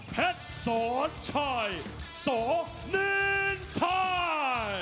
เผ็ดสวนไทยสวนินไทย